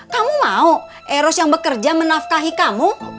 kamu mau eros yang bekerja menafkahi kamu